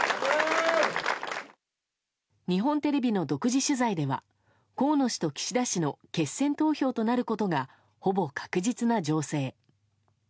日本テレビの独自取材では河野氏と岸田氏の決選投票となることがほぼ確実な情勢。